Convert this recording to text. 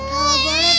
kalau boleh pak dek